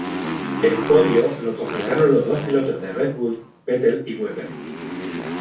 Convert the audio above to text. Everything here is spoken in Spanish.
El podio lo completaron los dos pilotos de Red Bull, Vettel y Webber.